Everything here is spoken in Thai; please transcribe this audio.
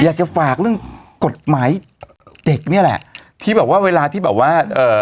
อยากจะฝากเรื่องกฎหมายเด็กเนี่ยแหละที่แบบว่าเวลาที่แบบว่าเอ่อ